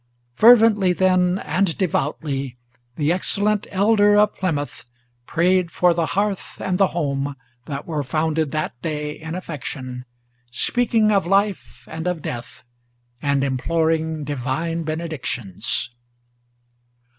Fervently then, and devoutly, the excellent Elder of Plymouth Prayed for the hearth and the home, that were founded that day in affection, Speaking of life and of death, and imploring divine benedictions.